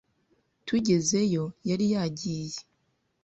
Tugezeyo, yari yagiye.